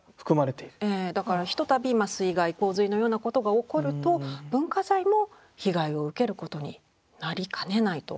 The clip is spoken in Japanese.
だからひとたび水害洪水のようなことが起こると文化財も被害を受けることになりかねないと。